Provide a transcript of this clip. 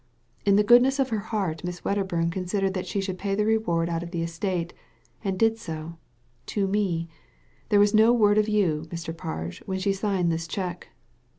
" In the goodness of her heart Miss Wedderbum considered that she should pay the reward out of the estate, and did so— to me ; there was no word of you, Mr. Parge, when she signed this cheque."